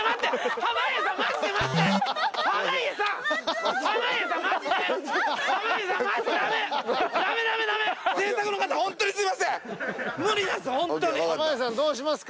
濱家さんどうしますか？